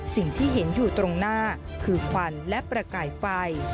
สิ่งที่เห็นอยู่ตรงหน้าคือควันและประกายไฟ